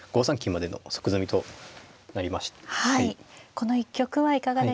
この一局はいかがでしたか。